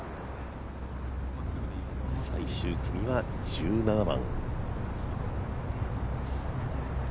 最終組は１７番。